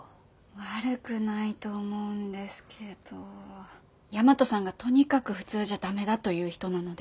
悪くないと思うんですけど大和さんがとにかく普通じゃダメだという人なので。